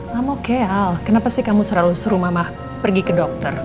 mama oke al kenapa sih kamu seru seru mama pergi ke dokter